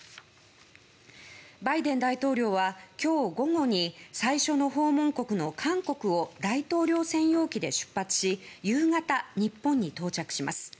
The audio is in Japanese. バイデン大統領は今日午後に最初の訪問国の韓国を大統領専用機で出発し夕方、日本に到着します。